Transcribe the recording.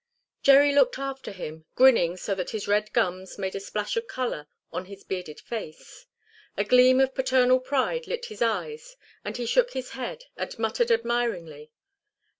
Jerry looked after him, grinning so that his red gums made a splash of colour on his bearded face. A gleam of paternal pride lit his eyes and he shook his head and muttered admiringly.